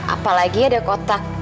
apalagi ada kotak